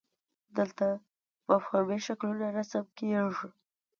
دلته مفهومي شکلونه رسم کیږي.